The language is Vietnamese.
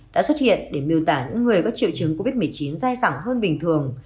đã xuất hiện để miêu tả những người có triệu chứng covid một mươi chín dai dẳng hơn bình thường